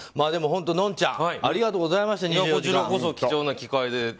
でも本当、のんちゃんありがとうございましたこちらこそ貴重な機会で。